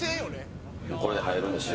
これで入るんですよ。